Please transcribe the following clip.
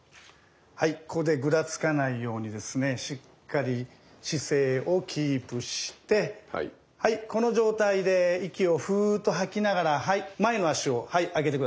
ここでぐらつかないようにしっかり姿勢をキープしてこの状態で息をフーッと吐きながら前の脚を上げて下さい。